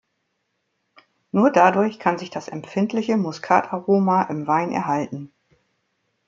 Nur dadurch kann sich das empfindliche Muskat-Aroma im Wein erhalten.